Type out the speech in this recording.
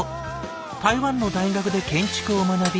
台湾の大学で建築を学び